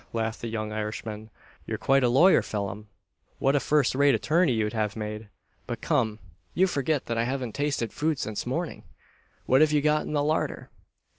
laughed the young Irishman: "you're quite a lawyer, Phelim. What a first rate attorney you'd have made! But come! You forget that I haven't tasted food since morning. What have you got in the larder?"